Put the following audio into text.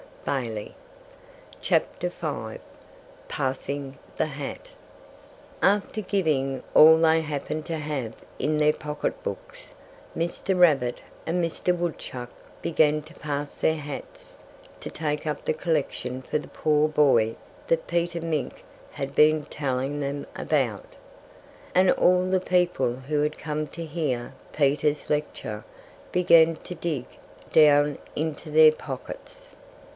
PASSING THE HAT After giving all they happened to have in their pocket books, Mr. Rabbit and Mr. Woodchuck began to pass their hats to take up the collection for the poor boy that Peter Mink had been telling them about. And all the people who had come to hear Peter's lecture began to dig down into their pockets.